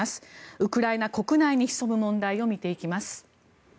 ウクライナ国内に潜む問題を見ていきます。